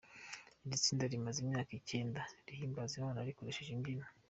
Iri tsinda rimaze imyaka icyenda rihimbaza Imana rikoresheje imbyino.